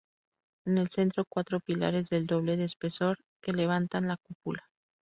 En el centro, cuatro pilares del doble de espesor que levantan la cúpula.